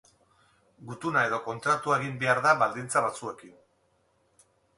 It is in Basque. Gutuna edo kontratua egin behar da baldintza batzuekin.